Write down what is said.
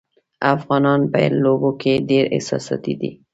افغانان په لوبو کې ډېر احساساتي دي.